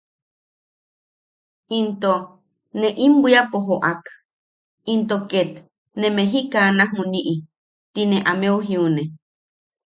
Into “ne im bwiapo jo’ak into ket ¡ne mejikana juni’i!” ti ne ameu jiune.